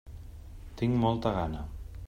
Tinc molta gana.